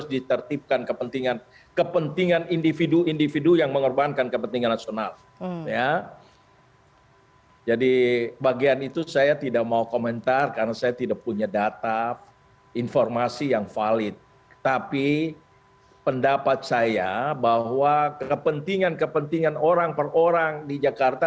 ditertipkan supaya kebijakan kebijakan berdasarkan manuver manuver perorangan